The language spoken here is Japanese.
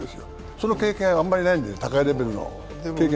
その経験、あまりないんで高いレベルの経験。